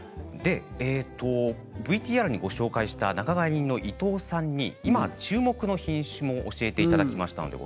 ＶＴＲでご紹介した仲買人の伊藤さんに今、注目の品種を教えていただきました。